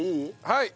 はい。